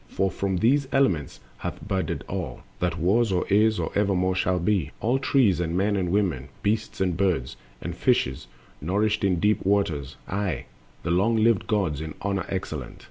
For from these elements hath budded all That was or is or evermore shall be— All trees, and men and women, beasts and birds, And fishes nourished in deep waters, aye, The long lived gods, in honors excellent.